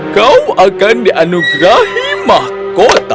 kau akan dianugerahi mahkota